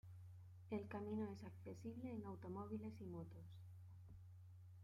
El camino es accesible en automóviles y motos.